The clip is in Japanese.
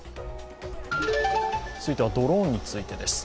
続いてはドローンについてです。